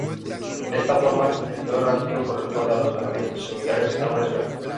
De esta forma, el peor ratio corresponde a los alimentos similares a una esfera.